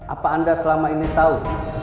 apa anda selama ini tahu